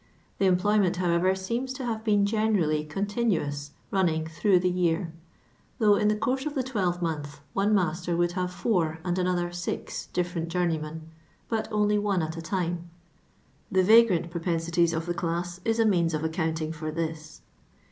The employ ment, however, seems to have been generall}' con tinifous, running throtv.'h t!ie yp:ir ; though in the Cdurse of the twelvemonth one master would have four and another six ditVerent journeymen, but only one at a time. The vagrant propensities of the class is a mesuis of accounting for this.